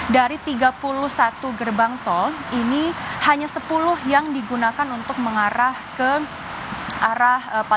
dari tiga puluh satu gerbang tol ini hanya sepuluh yang digunakan untuk mengarah ke arah